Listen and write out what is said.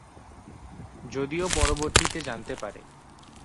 যদিও পরবর্তীতে জানতে পারে।